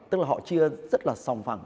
tức là họ chia rất là sòng phẳng